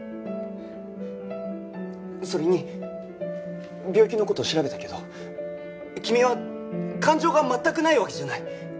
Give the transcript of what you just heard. それに病気の事調べたけど君は感情が全くないわけじゃない。